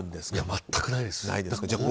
全くないです。